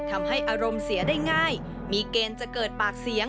ทำให้อารมณ์เสียได้ง่ายมีเกณฑ์จะเกิดปากเสียง